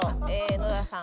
野田さん。